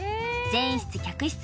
全室客室